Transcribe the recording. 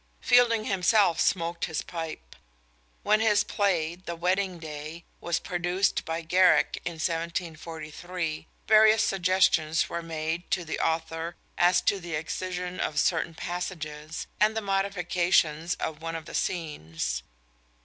Fielding himself smoked his pipe. When his play "The Wedding Day" was produced by Garrick in 1743, various suggestions were made to the author as to the excision of certain passages, and the modification of one of the scenes.